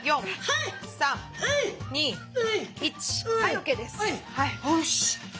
よし。